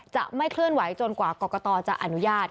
จะไม่เคลื่อนไหวจนกว่ากรกตจะอนุญาต